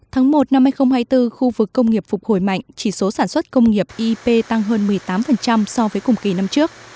tháng một năm hai nghìn hai mươi bốn khu vực công nghiệp phục hồi mạnh chỉ số sản xuất công nghiệp ip tăng hơn một mươi tám so với cùng kỳ năm trước